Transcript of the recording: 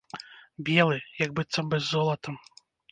Белы, як быццам бы з золатам.